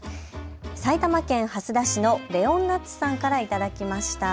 埼玉県蓮田市のレオンナッツさんから頂きました。